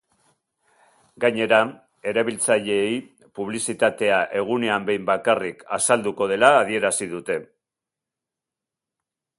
Gainera, erabiltzaileei publizitatea egunean behin bakarrik azalduko dela adierazi dute.